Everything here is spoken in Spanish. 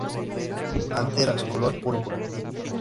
Anteras color púrpura.